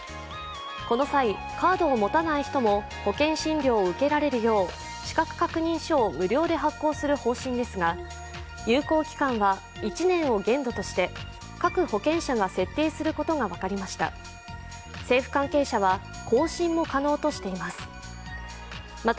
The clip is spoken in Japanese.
この際、カードを持たない人も保険診療を受けられるよう資格確認書を無料で発行する方針ですが有効期間は１年を限度として各保険者が設定することが分かりました。